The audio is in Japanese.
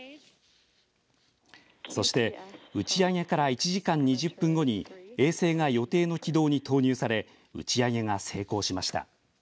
そして打ち上げから１時間２０分後に衛星が予定の軌道に投入され打ち上げが成功しました。